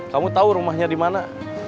kamu tau rumahnya dimana